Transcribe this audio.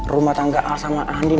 rumah tangga a sama andi